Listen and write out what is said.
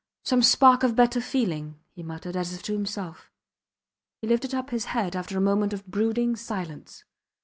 some spark of better feeling, he muttered, as if to himself. He lifted up his head after a moment of brooding silence.